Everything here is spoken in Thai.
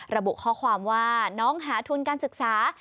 ระบุข้อความว่าน้องหาทุนการศึกษา